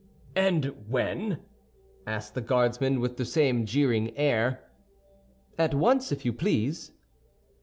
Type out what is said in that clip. "And when?" asked the Guardsman, with the same jeering air. "At once, if you please."